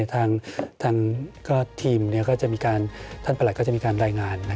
ทางทีมก็จะมีการท่านประหลัดก็จะมีการรายงาน